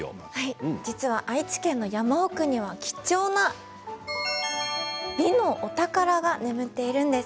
実は愛知県の山奥には貴重な美のお宝が眠っているんです。